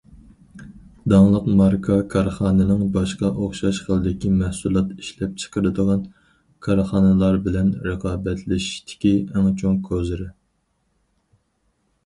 داڭلىق ماركا كارخانىنىڭ باشقا ئوخشاش خىلدىكى مەھسۇلات ئىشلەپچىقىرىدىغان كارخانىلار بىلەن رىقابەتلىشىشتىكى ئەڭ چوڭ‹‹ كوزىرى››.